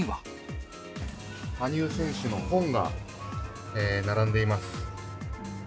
羽生選手の本が並んでいます。